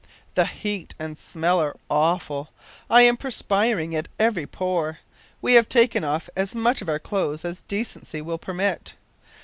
The heat and smell are awful! I am perspiring at every pore. We have taken off as much of our clothes as decency will permit.